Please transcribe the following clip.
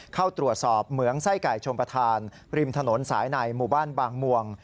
เข้าตรวจสอบเหมืองไส้ไก่ชมประธานริมถนนสายในหมู่บ้านบางมวง